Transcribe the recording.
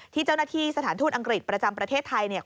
ที่เจ้าหน้าที่สถานทูตอังกฤษประจำประเทศไทยเนี่ย